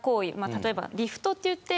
例えばリフトといって